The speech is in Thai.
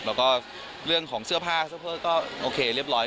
แล้วก็เรื่องของเสื้อผ้าก็โอเคเรียบร้อย